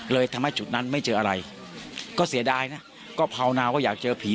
เลยทำให้จุดนั้นไม่เจออะไรก็เสียดายนะก็ภาวนาว่าอยากเจอผี